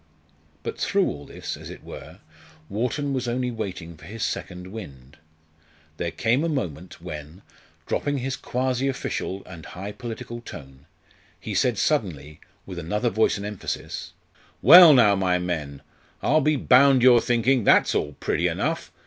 But through all this, as it were, Wharton was only waiting for his second wind. There came a moment when, dropping his quasi official and high political tone, he said suddenly with another voice and emphasis: "Well now, my men, I'll be bound you're thinking, 'That's all pretty enough!